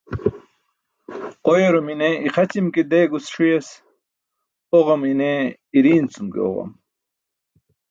Oyarum i̇ne ixaćim ke deegus ṣi̇yas, oġam i̇ne i̇ri̇i̇n cum ke oġam.